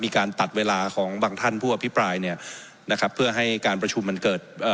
มีการตัดเวลาของบางท่านผู้อภิปรายเนี่ยนะครับเพื่อให้การประชุมมันเกิดเอ่อ